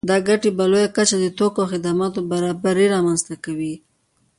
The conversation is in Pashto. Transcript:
دا ګټې په لویه کچه د توکو او خدماتو برابري رامنځته کوي